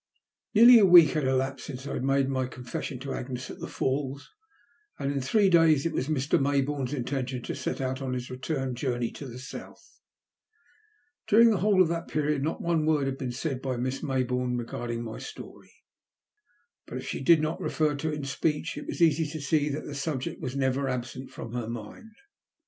NEAELY a week had elapsed since I had made nij confession to Agnes at the Falls, and in three days it was Mr. Mayboume's intention to set out en his return journey to the South. During the whole of that period not one word had been said by llisa Maybourne regarding my story. But if she did not refer to it in speech it was easy to see that the subject was never absent from her mind.